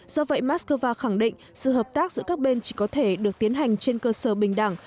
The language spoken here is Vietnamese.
do vậy moscow khẳng định sự hợp tác giữa các bên chỉ có thể được tiến hành trên cơ sở bình đẳng